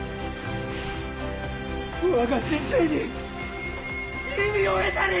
わが人生に意味を得たり！